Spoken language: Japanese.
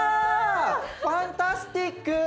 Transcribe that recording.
ファンタスティック。